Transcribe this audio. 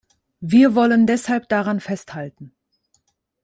Wir wollen deshalb daran festhalten.